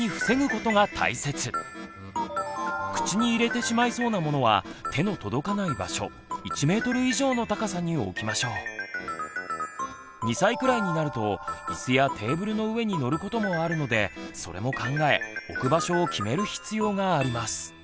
口に入れてしまいそうなものは手の届かない場所２歳くらいになるとイスやテーブルの上に乗ることもあるのでそれも考え置く場所を決める必要があります。